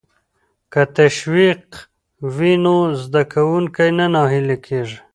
که تشویق وي نو زده کوونکی نه ناهیلی کیږي.